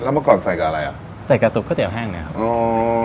เมื่อก่อนใส่กับอะไรอ่ะใส่กระตุกข้าวเตี๋แห้งเนี้ยครับโอ้